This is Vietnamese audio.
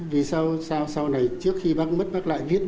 vì sao sau này trước khi bác mất bác lại viết